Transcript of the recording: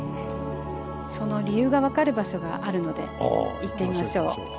その理由が分かる場所があるので行ってみましょう。